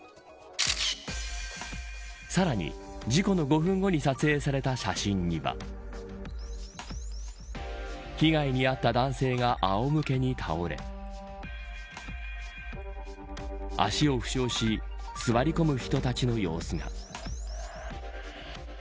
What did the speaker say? さらに事故の５分後に撮影された写真には被害に遭った男性があおむけに倒れ足を負傷し座り込む人たちの様子が。